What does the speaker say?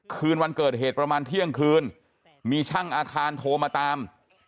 คืนวันเกิดเหตุประมาณเที่ยงคืนมีช่างอาคารโทรมาตาม